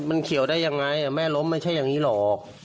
มันเขียวได้ยังไงแม่ล้มไม่ใช่อย่างนี้หรอก